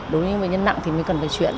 đối với nhân nặng thì mới cần phải chuyển